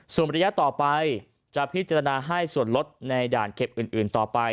ส่วนระยะต่อไปจะพิจารณาให้ส่วนลดในด่านเก็บอื่นต่อไป